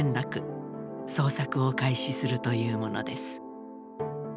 捜索を開始するというものです。